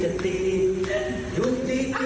รอโหว่